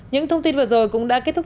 những thông tin vừa rồi cũng đã kết thúc